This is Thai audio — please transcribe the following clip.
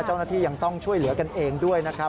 เจ้าหน้าที่ยังต้องช่วยเหลือกันเองด้วยนะครับ